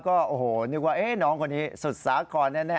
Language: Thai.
ก็โอ้โหนึกว่าน้องคนนี้สุดสาครแน่